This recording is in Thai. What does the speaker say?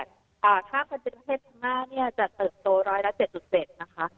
ถ้าประเทศธรรมนาจะเติบโต๑๐๗๗นะคะ